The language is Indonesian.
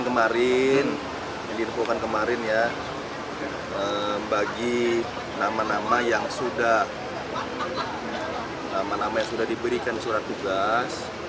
yang diinvokan kemarin bagi nama nama yang sudah diberikan surat tugas